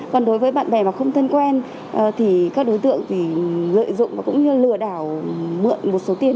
còn đối với bạn bè mà không thân quen thì các đối tượng thì lợi dụng và cũng như lừa đảo mượn một số tiền